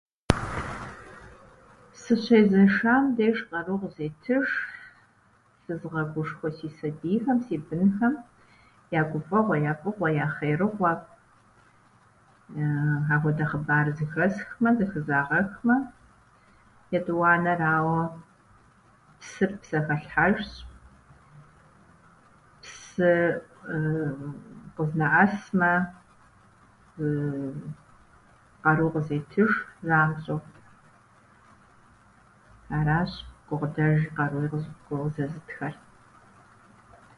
Сыщезэшам деж къару къызетыж сызыгъэгушхуэ си сабийхэм, си бынхэм я гуфӏэгъуэ, я фӏыгъуэ, я хъерыгъуэ, ахуэдэ хъыбар зэхэсхмэ, зэхызагъэхмэ. Етӏуанэрауэ, псыр псэхэлъхьэжщ, псы къызнэӏэсмэ, къару къызетыж занщӏэу. Аращ гукъыдэж, къаруи къы- къызэзытхэр.